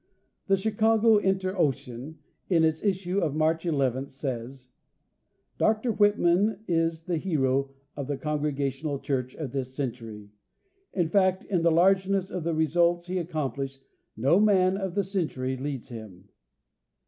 The Chicago Inter Ocean, in its issue of March 11, says: '' Dr Whitman is the hero of the Congregational church of this century. In fact, in the largeness of the results he accom plished, no man of the century leads him."